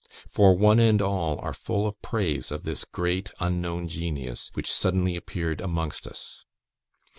For one and all are full of praise of this great, unknown genius, which suddenly appeared amongst us.